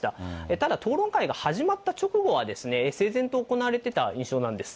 ただ、討論会が始まった直後は、整然と行われていた印象なんです。